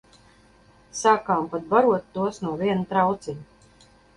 Sākām pat barot tos no viena trauciņa.